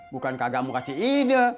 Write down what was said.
bukan kagak mau kasih ide